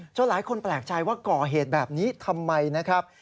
หลายคนแปลกใจว่าก่อเหตุแบบนี้ทำไมนะครับ